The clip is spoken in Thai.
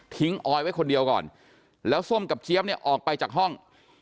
ออยไว้คนเดียวก่อนแล้วส้มกับเจี๊ยบเนี่ยออกไปจากห้อง